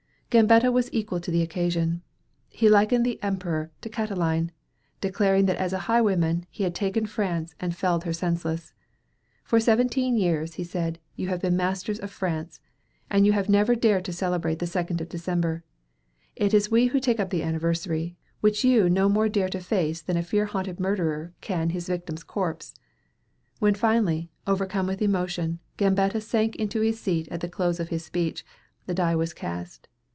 Gambetta was equal to the occasion. He likened the Emperor to Catiline, declaring that as a highwayman, he had taken France and felled her senseless. "For seventeen years," he said, "you have been masters of France, and you have never dared to celebrate the Second of December. It is we who take up the anniversary, which you no more dare face than a fear haunted murderer can his victim's corpse." When finally, overcome with emotion, Gambetta sank into his seat at the close of his speech, the die was cast.